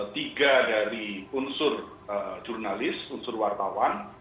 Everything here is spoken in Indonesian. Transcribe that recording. tiga dari unsur jurnalis unsur wartawan